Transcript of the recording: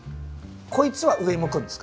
こいつは上向くんですか？